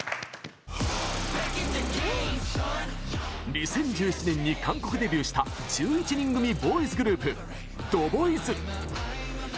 ２０１７年に韓国デビューした１１人組ボーイズグループＴＨＥＢＯＹＺ。